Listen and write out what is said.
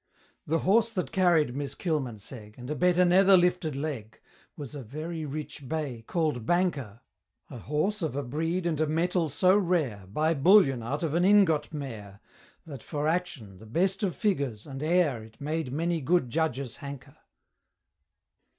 The horse that carried Miss Kilmansegg, And a better nether lifted leg, Was a very rich bay, call'd Banker A horse of a breed and a mettle so rare, By Bullion out of an Ingot mare, That for action, the best of figures, and air, It made many good judges hanker.